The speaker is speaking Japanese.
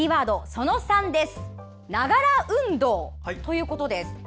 その３。ながら運動ということです。